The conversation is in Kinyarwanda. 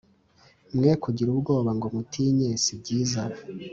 Mwe kugira ubwoba ngo mutinye sibyiza